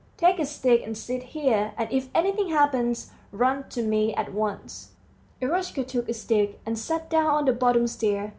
Take a stick and sit here, and if anything happens, run to me at once!" Eroshka took a stick, and sat down on the bottom stair.